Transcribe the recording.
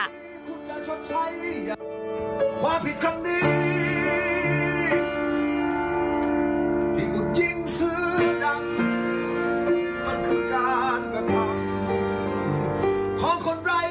ในหัวใจในชีวิตนี้